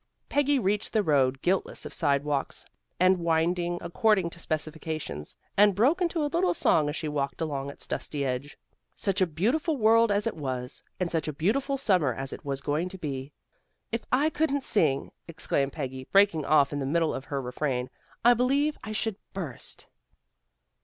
Peggy reached the road, guiltless of sidewalks, and winding, according to specifications, and broke into a little song as she walked along its dusty edge. Such a beautiful world as it was, and such a beautiful summer as it was going to be. "If I couldn't sing," exclaimed Peggy, breaking off in the middle of her refrain, "I believe I should burst."